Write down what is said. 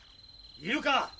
・いるか？